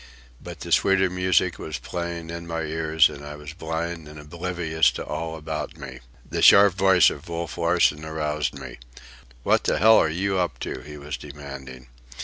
But the sweeter music was playing in my ears, and I was blind and oblivious to all about me. The sharp voice of Wolf Larsen aroused me. "What the hell are you up to?" he was demanding.